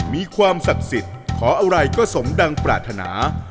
มีความศักดิ์สิทธิ์ขออะไรก็สมดังปรารถนา